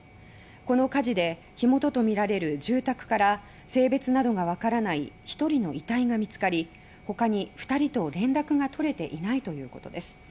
この火事で火元とみられる住宅から性別などがわからない１人の遺体が見つかり他に２人と連絡が取れていないということです。